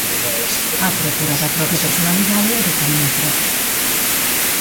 A procura da propia personalidade e do camiño propio.